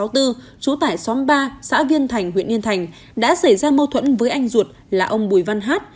trú tại xóm ba xã viên thành huyện yên thành đã xảy ra mâu thuẫn với anh ruột là ông bùi văn hát